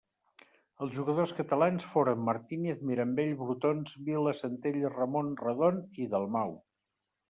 Els jugadors catalans foren Martínez, Mirambell, Brotons, Vila, Centelles, Ramon, Redon i Dalmau.